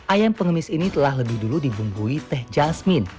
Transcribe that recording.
ayam pengemis ini telah lebih dulu dibumbui teh jasmin